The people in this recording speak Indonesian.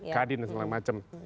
kadin dan semacam